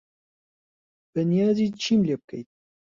بەنیازی چیم لێ بکەیت؟